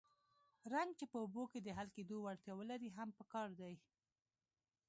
رنګ چې په اوبو کې د حل کېدو وړتیا ولري هم پکار دی.